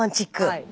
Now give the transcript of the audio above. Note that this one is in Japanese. はい。